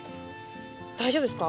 大丈夫ですか？